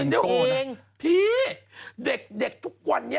บางคนเนี่ยเยอะกว่าดารายอีกทีซ้ำไป